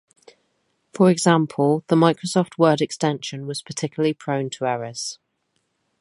For example, the Microsoft Word extension was particularly prone to errors.